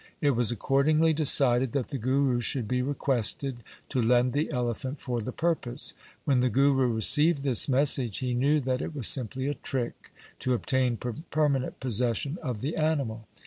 It was accordingly decided that the Guru should be requested to lend the elephant for the purpose. When the Guru received this message he knew that it was simply a trick to obtain permanent possession of the animal.